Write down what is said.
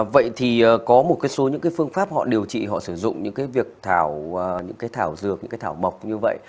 vậy thì có một số những phương pháp họ điều trị họ sử dụng những cái thảo dược những cái thảo mộc như vậy